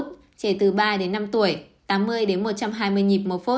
trẻ từ ba đến năm tuổi tám mươi đến một trăm ba mươi nhịp một phút